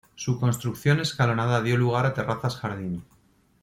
Su construcción escalonada dio lugar a terrazas jardín.